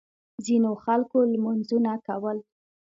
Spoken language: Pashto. ځینو خلکو لمونځونه کول.